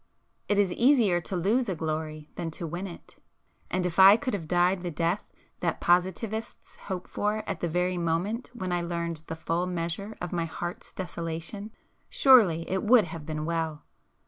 It is easier to lose a glory than to win it; and if I could have died the death that positivists hope for at the very moment when I learned the full measure of my heart's desolation, surely it would have been well!